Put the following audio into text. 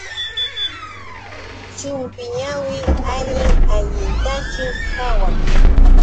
Chumpi ñawi alli allintachus qawan.